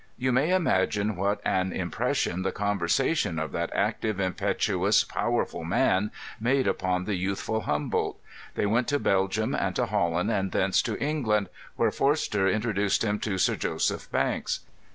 You may imagine what an impression the conversation of that active, impetuous powerful man made upon the youthful Humboldt They went to Belgium and to Holland, and thence to England, where Fors ter introduced him to Sir Joseph Banks.